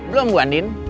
belum bu andin